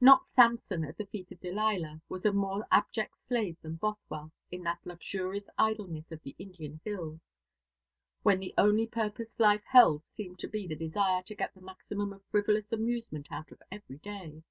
Not Samson at the feet of Delilah was a more abject slave than Bothwell in that luxurious idleness of the Indian hills, when the only purpose life held seemed to be the desire to get the maximum of frivolous amusement out of every day.